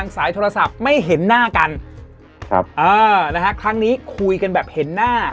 สายโทรศัพท์ไม่เห็นหน้ากันครั้งนี้คุยกันแบบเห็นหน้า